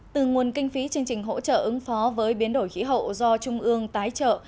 từ nguồn kinh phí chương trình hỗ trợ ứng phó với biến đổi khí hậu do trung ương tái trợ